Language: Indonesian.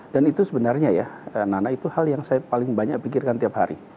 dan itu sebenarnya ya nana itu hal yang saya paling banyak pikirkan tiap hari